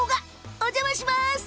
お邪魔します。